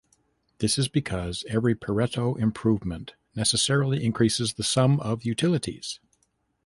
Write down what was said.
This is because every Pareto improvement necessarily increases the sum of utilities.